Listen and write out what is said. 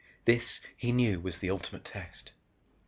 This, he knew, was the ultimate test.